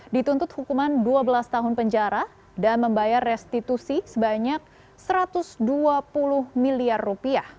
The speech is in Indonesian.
dituntut hukuman dua belas tahun penjara dan membayar restitusi sebanyak satu ratus dua puluh miliar rupiah